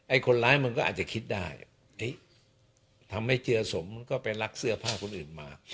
คนร้ายมันก็อาจจะคิดได้ทำให้เจือสมมันก็ไปลักเสื้อผ้าคนอื่นมา